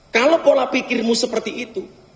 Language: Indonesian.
kalau pola pikirmu seperti itu